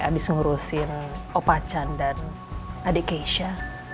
abis ngurusin om pacan dan dede keisha